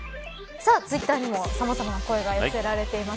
さあツイッターにもさまざまな声が寄せられています。